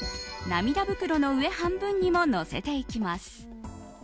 涙袋の上半分にものせていきます。